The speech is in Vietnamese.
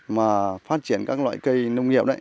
mà phát triển các loại cây nông nghiệp đấy